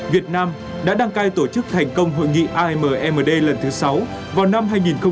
việt nam đã đăng cai tổ chức thành công hội nghị asean ammd lần thứ sáu vào năm hai nghìn một mươi tám